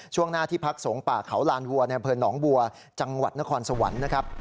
ช่วงหน้าที่พักสงฆ์ป่าเขาลานวัวในอำเภอหนองบัวจังหวัดนครสวรรค์นะครับ